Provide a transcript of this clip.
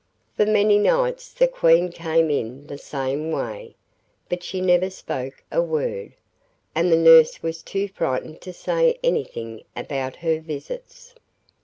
For many nights the Queen came in the same way, but she never spoke a word, and the nurse was too frightened to say anything about her visits.